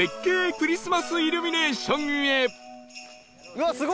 クリスマスイルミネーションへ